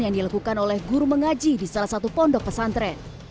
yang dilakukan oleh guru mengaji di salah satu pondok pesantren